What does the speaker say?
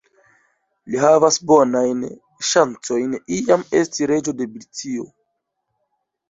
Li havas bonajn ŝancojn iam esti reĝo de Britio.